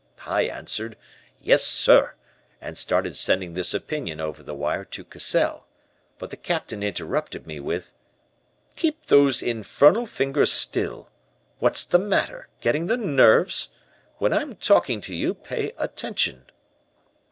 "I answered, 'Yes sir,' and started sending this opinion over the wire to Cassell, but the Captain interrupted me with: 'Keep those infernal fingers still. What's the matter, getting the nerves? When I'm talking to you, pay attention.'